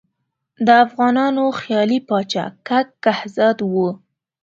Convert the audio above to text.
د افغانانو خیالي پاچا کک کهزاد وو.